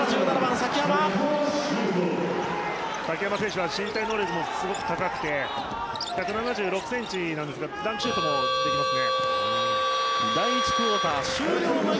崎濱選手は身体能力もすごく高くて１７６ｃｍなんですがダンクシュートもできますね。